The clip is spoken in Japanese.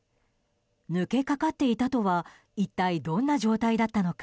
抜けかかっていたとは一体どんな状態だったのか。